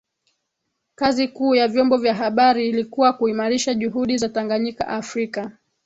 kazi kuu ya vyombo vya habari ilikuwa kuimarisha juhudi za Tanganyika Afrika